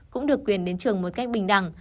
cũng được quyền đến trường một cách bình đẳng